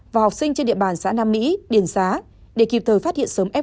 và học sinh trên địa bàn xã nam mỹ điển xá để kịp thời phát hiện sớm f